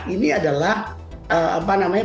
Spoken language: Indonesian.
ini adalah apa namanya